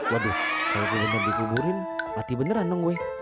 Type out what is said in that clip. waduh kalau bener bener dikuburin mati beneran dong gue